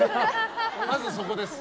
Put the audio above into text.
まずそこです。